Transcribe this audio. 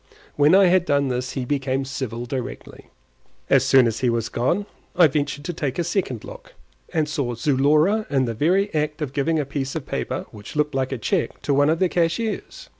When I had done this he became civil directly. As soon as he was gone I ventured to take a second look, and saw Zulora in the very act of giving a piece of paper which looked like a cheque to one of the cashiers.